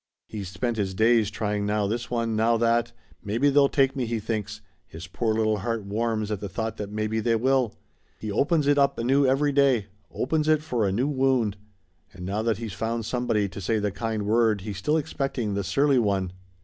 He's spent his days trying now this one, now that. 'Maybe they'll take me,' he thinks; his poor little heart warms at the thought that maybe they will. He opens it up anew every day opens it for a new wound. And now that he's found somebody to say the kind word he's still expecting the surly one.